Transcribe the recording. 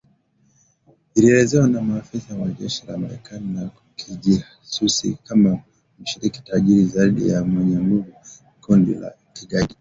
Ilielezewa na maafisa wa jeshi la Marekani na kijasusi kama mshirika tajiri zaidi na mwenye nguvu wa kundi la kigaidi